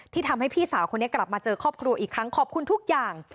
ทำให้พี่สาวคนนี้กลับมาเจอครอบครัวอีกครั้งขอบคุณทุกอย่าง